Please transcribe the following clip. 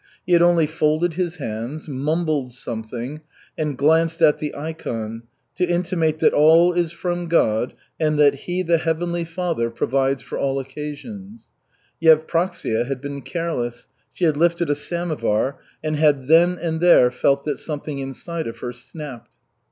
He had only folded his hands, mumbled something, and glanced at the ikon, to intimate that all is from God and that He, the Heavenly Father, provides for all occasions. Yevpraksia had been careless; she had lifted a samovar and had then and there felt that something inside of her snapped.